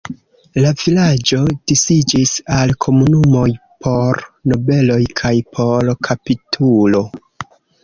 La vilaĝo disiĝis al komunumoj por nobeloj kaj por kapitulo.